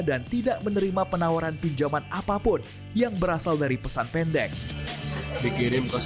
dan tidak menerima penawaran pinjaman apapun yang berasal dari pesan pendek